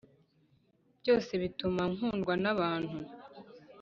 byose bituma nkundwa n’abantu